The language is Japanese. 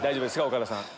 岡田さん。